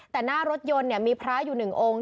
แต่หน้ารถยนต์นี่มีพระอยู่หนึ่งองค์